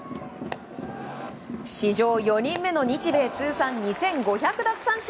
史上４人目の日米通算２５００奪三振。